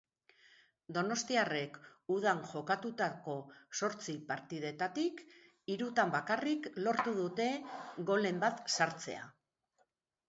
Donostiarrek udan jokatutako zortzi partidetatik hirutan bakarrik lortu dute golen bat sartzea.